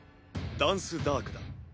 ダンス＝ダークだ。